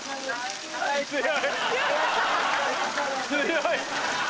強い！